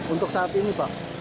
untuk saat ini pak